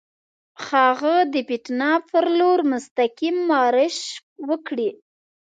هغه د پټنه پر لور مستقیم مارش وکړي.